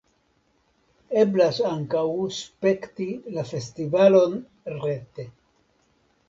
Eblas ankaŭ spekti la festivalon rete.